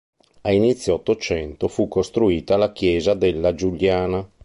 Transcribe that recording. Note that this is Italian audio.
A inizio Ottocento fu costruita la Chiesa della Giuliana.